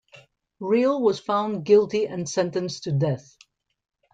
Riel was found guilty and sentenced to death.